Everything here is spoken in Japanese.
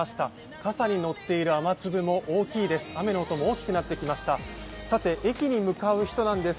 傘に乗っている雨粒も大きいです。